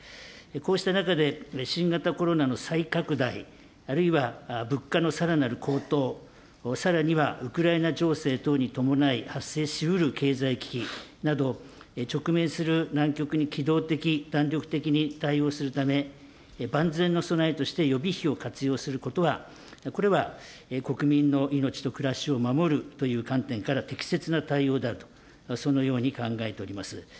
こうした中で、新型コロナの再拡大、あるいは物価のさらなる高騰、さらにはウクライナ情勢等に伴い発生しうる経済危機など、直面する難局に機動的、弾力的に対応するため、万全の備えとして予備費を活用することは、これは国民の命と暮らしを守るという観点から適切な対応であると、そのように考えております。